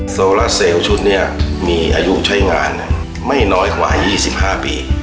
บรรชุทธิ์นี้มีอายุใช้งานไม่หน่อยกว่า๒๕ปี